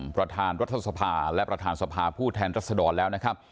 ประธานรัฐสภาและประธานสภาผู้แทนรัศดรแล้วนะครับ